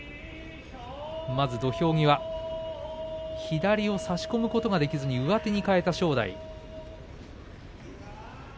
まず土俵際、左を差し込むことができずに上手に変えた正代。